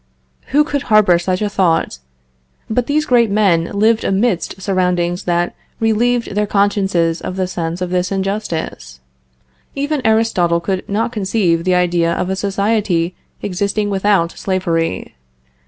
Who could harbor such a thought? But these great men lived amidst surroundings that relieved their consciences of the sense of this injustice. Even Aristotle could not conceive the idea of a society existing without slavery.